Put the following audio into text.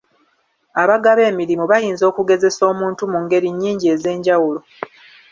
Abagaba emirimu bayinza okugezesa omuntu mu ngeri nnyingi ez'enjawulo.